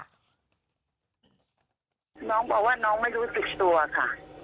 น้องบอกว่าน้องไม่รู้สึกตัวค่ะ